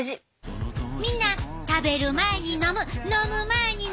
みんな食べる前に飲む飲む前に飲む！